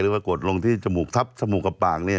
มากดลงที่จมูกทับจมูกกับปากเนี่ย